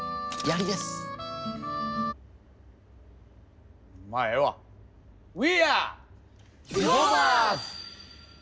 リフォーマーズ！